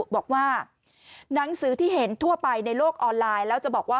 บอกว่าหนังสือที่เห็นทั่วไปในโลกออนไลน์แล้วจะบอกว่า